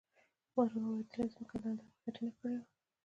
باران ورېدلی و، ځمکه یې لنده او خټینه کړې وه.